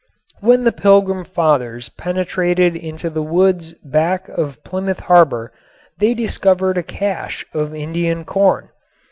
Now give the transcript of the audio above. When the Pilgrim Fathers penetrated into the woods back of Plymouth Harbor they discovered a cache of Indian corn.